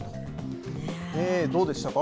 どうでしたか？